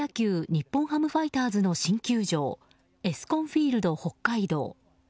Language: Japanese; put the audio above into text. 日本ハムファイターズの新球場エスコンフィールド北海道。